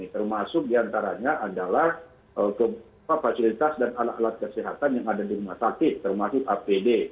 termasuk diantaranya adalah fasilitas dan alat alat kesehatan yang ada di rumah sakit termasuk apd